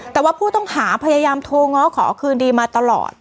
แต่ว่าผู้ต้องหาพยายามโทรง้อขอคืนดีมาตลอด